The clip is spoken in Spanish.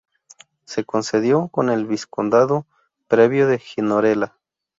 Se concedió con el Vizcondado previo de Gironella.